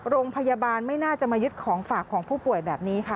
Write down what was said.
โรงพยาบาลไม่น่าจะมายึดของฝากของผู้ป่วยแบบนี้ค่ะ